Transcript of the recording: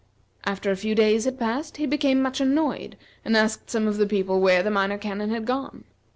After a few days had passed, he became much annoyed, and asked some of the people where the Minor Canon had gone.